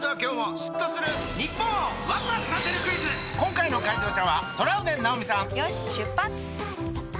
今回の解答者はトラウデン直美さんよし出発！